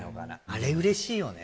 あれ嬉しいよね